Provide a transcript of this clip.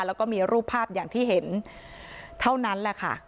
แล้วก็มีรูปภาพอย่างที่เห็นเท่านั้นแหละค่ะ